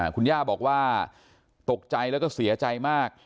คุณย่าบอกว่าตกใจแล้วก็เสียใจมาก